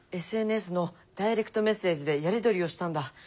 ＳＮＳのダイレクトメッセージでやり取りをしたんだ。